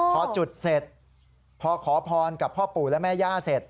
พอจุดเสร็จพอขอพรกับพ่อปู่และแม่ย่าเสร็จ